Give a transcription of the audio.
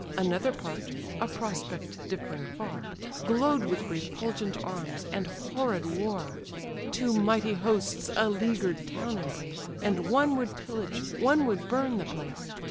Another part (a prospect differing far) Glow'd with refulgent arms, and horrid war. Two mighty hosts a leaguer'd town embrace, And one would pillage, one would burn the place.